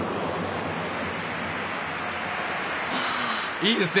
いいですね。